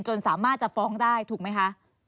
สามารถจะฟ้องได้ถูกไหมคะ